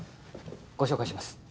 ご紹介します